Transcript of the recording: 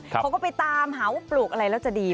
เขาก็ไปตามหาว่าปลูกอะไรแล้วจะดี